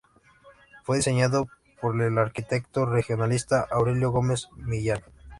Fue diseñado por el arquitecto regionalista Aurelio Gómez Millán.